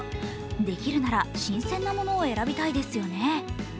できるなら新鮮なものを選びたいですよね。